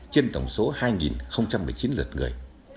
trên tổng số hai một mươi chín lượt người